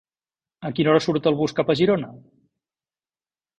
A quina hora surt el bus cap a Girona?